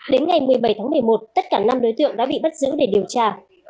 đến ngày một mươi bảy tháng một mươi một tất cả năm đối tượng đã bị bắt giữ để điều tra